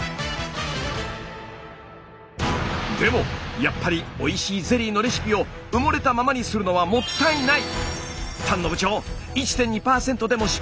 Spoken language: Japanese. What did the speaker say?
でもやっぱりおいしいゼリーのレシピを埋もれたままにするのはもったいない！